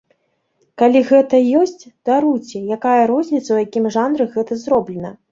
Калі гэта ёсць, даруйце, якая розніца, у якім жанры гэта зроблена.